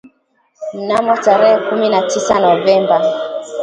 mnamo tarehe kumi na tisa novemba